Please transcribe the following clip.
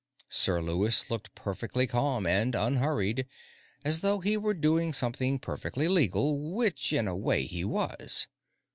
Sir Lewis looked perfectly calm and unhurried, as though he were doing something perfectly legal which, in a way, he was.